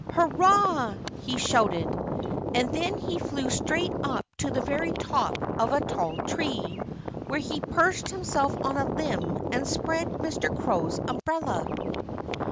"Hurrah!" he shouted. And then he flew straight up to the very top of a tall tree, where he perched himself on a limb and spread Mr. Crow's umbrella.